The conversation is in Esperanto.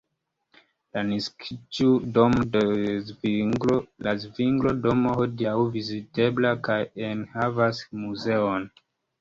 La naskiĝdomo de Zvinglo, la "Zvinglo-Domo" hodiaŭ viziteblas kaj enhavas muzeon.